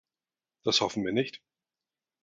Das hoffen wir nicht.